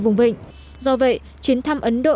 vùng vịnh do vậy chiến thăm ấn độ